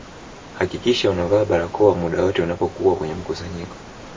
hakikisha unavaa barakoa muda wote unapokuwa kwenye mkusanyiko